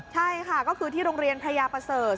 ใช่ค่ะก็คือที่โรงเรียนพระยาประเสริฐ